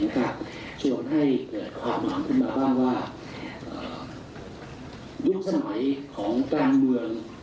เราคงจะได้ก้าวเข้าสู่การเมืองสมัยหมายที่การแก้เมืองมุ่งมั่น